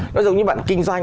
nó giống như bạn kinh doanh